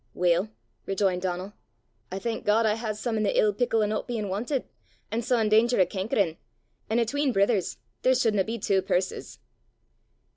"Weel," rejoined Donal, "I thank God I hae some i' the ill pickle o' no bein' wantit, an' sae in danger o' cankerin'; an' 'atween brithers there sudna be twa purses!"